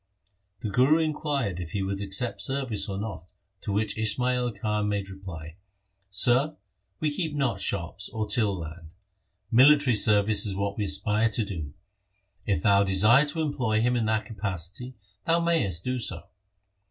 The Guru inquired if he would accept service or not, to which Ismail Khan made reply, ' Sir, we keep not shops or till land ; military service is what we aspire to. If thou desire to employ him in that capacity, thou may est do so.'